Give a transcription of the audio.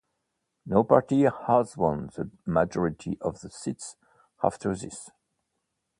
No party has won the majority of the seats after this.